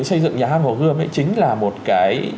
xây dựng nhà hát hồ gươm chính là một cái